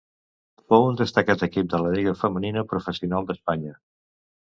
Fou un destacat equip de la Lliga femenina professional d'Espanya.